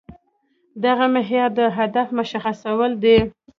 دغه معيار د هدف مشخصول دي.